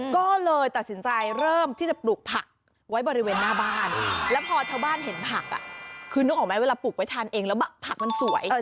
ก็เลยตัดสินใจเริ่มที่จะปลูกผักไว้บริเวณหน้าบ้านแล้วพอชาวบ้านเห็นผักคือนึกออกไหมเวลาปลูกไว้ทานเองแล้วผักมันสวย